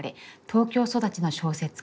東京育ちの小説家。